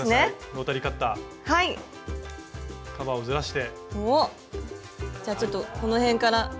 おっじゃあちょっとこの辺から。